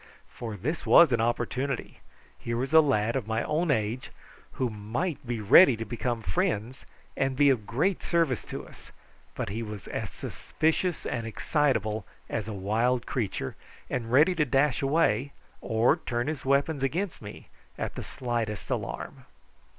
For this was an opportunity here was a lad of my own age who might be ready to become friends and be of great service to us; but he was as suspicious and excitable as a wild creature, and ready to dash away or turn his weapons against me at the slightest alarm.